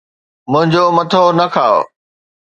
منھنجو مٿو نہ کاءُ